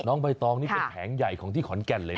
ใบตองนี่เป็นแผงใหญ่ของที่ขอนแก่นเลยนะ